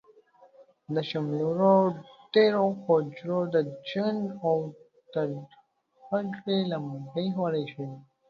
پر شملورو دېرو، هوجرو د جنګ او ترهګرۍ لمبې خورې شوې.